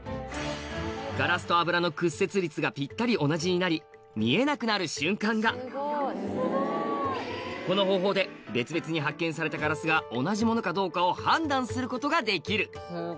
ガラスと油の屈折率がピッタリ同じになり見えなくなる瞬間がこの方法で別々に発見されたガラスが同じものかどうかを判断することができる